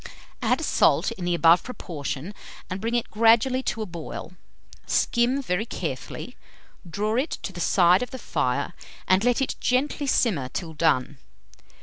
Add salt in the above proportion, and bring it gradually to a boil. Skim very carefully, draw it to the side of the fire, and let it gently simmer till done.